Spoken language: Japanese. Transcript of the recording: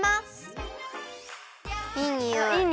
あっいいにおい。